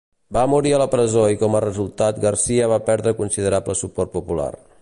Va morir a la presó i com a resultat Garcia va perdre considerable suport popular.